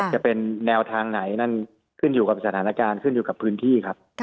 จะเป็นแนวทางไหนนั่นขึ้นอยู่กับสถานการณ์ขึ้นอยู่กับพื้นที่ครับ